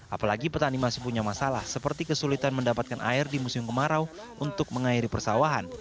apalagi petani masih punya masalah seperti kesulitan mendapatkan air di musim kemarau untuk mengairi persawahan